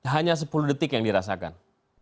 hanya sepuluh detik yang dirasakan